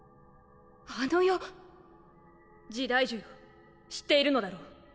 時代樹よ知っているのだろう？